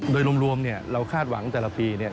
โดยรวมเราคาดหวังแต่ละปี